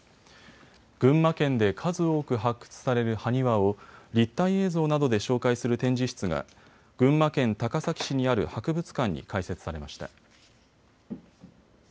群馬県で数多く発掘される埴輪を立体映像などで紹介する展示室が群馬県高崎市にある博物館に開設されました。